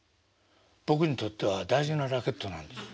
僕にとっては大事なラケットなんですよ。